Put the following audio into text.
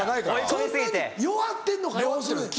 そんな弱ってんのか要するに。